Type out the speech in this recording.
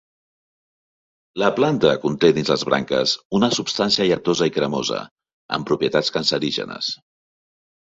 La planta conté dins les branques una substància lletosa i cremosa amb propietats cancerígenes.